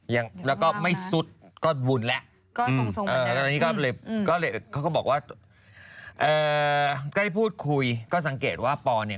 ยังแล้วก็ไม่สุดก็บุญแหละก้อนี้ก็เลยพูดคุยก็สังเกตว่าพอเนี่ย